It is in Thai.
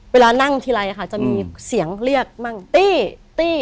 เวลานั่งทีไรค่ะจะมีเสียงเรียกมั่งตี้ตี้